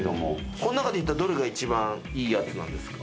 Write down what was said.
この中で言うと、どれが一番いいやつなんですか？